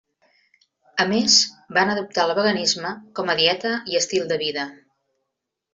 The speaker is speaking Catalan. A més, van adoptar el veganisme com a dieta i estil de vida.